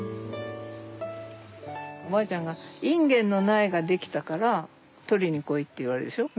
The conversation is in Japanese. おばあちゃんが「インゲンの苗ができたから取りに来い」って言われるでしょ。